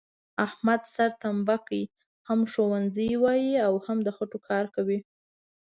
احمد سر تمبه کړی، هم ښوونځی وایي او هم د خټوکار کوي،